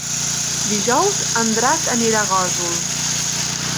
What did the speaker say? Dijous en Drac anirà a Gósol.